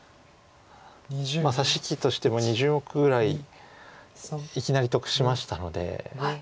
差し引きとしても２０目ぐらいいきなり得しましたので。